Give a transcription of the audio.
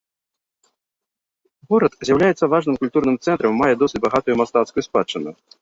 Горад з'яўляецца важным культурным цэнтрам і мае досыць багатую мастацкую спадчыну.